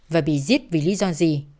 và bị giết vì lý do gì